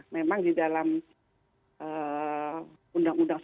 memang di dalam undang undang satu ratus tujuh puluh empat